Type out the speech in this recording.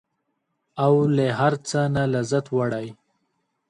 او له هر څه نه لذت وړي.